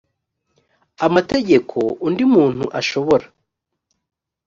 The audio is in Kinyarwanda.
amategeko undi muntu ashobora